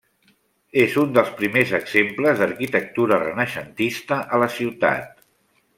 És un dels primers exemples d'arquitectura renaixentista a la ciutat.